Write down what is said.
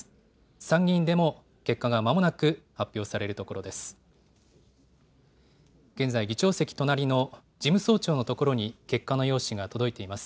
参議院でも結果がまもなく発表されるところです。